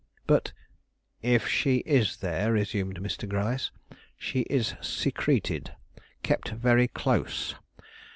"But " "If she is there," resumed Mr. Gryce, "she is secreted; kept very close.